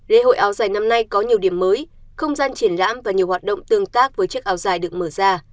lễ hội áo dài năm nay có nhiều điểm mới không gian triển lãm và nhiều hoạt động tương tác với chiếc áo dài được mở ra